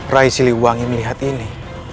rai siliwangi melihat ini